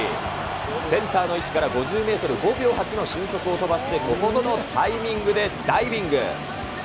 センターの位置から５０メートル、５秒８の俊足を飛ばしてここぞのタイミングでダイビング。